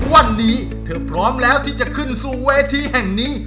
วันนี้เธอพร้อมแล้วที่จะขึ้นสู่เวทีแห่งนี้